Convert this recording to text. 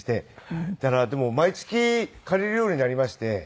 だからでも毎月借りるようになりまして。